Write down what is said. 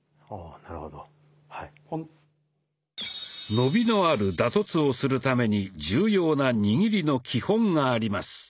伸びのある打突をするために重要な「握りの基本」があります。